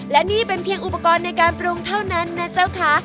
และนี่เป็นเพียงอุปกรณ์ในการปรุงเท่านั้นนะเจ้าค่ะ